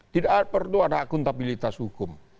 tidak perlu ada akuntabilitas hukum